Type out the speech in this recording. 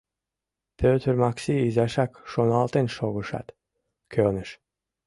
Петр Макси изишак шоналтен шогышат, кӧныш.